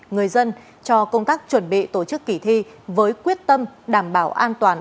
người dân cho công tác chuẩn bị tổ chức kỳ thi với quyết tâm đảm bảo an toàn